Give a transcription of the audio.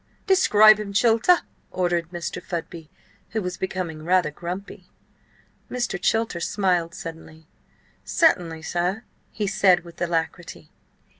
"Describe him, Chilter!" ordered Mr. Fudby, who was becoming rather grumpy. Mr. Chilter smiled suddenly. "Certainly, sir!" he said with alacrity.